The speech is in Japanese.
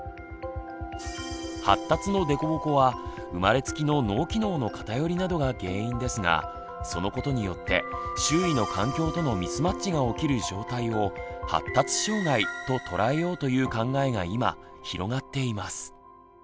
発達の凸凹は生まれつきの脳機能の偏りなどが原因ですがそのことによって周囲の環境とのミスマッチが起きる状態を「発達障害」ととらえようという考えが今広がっています。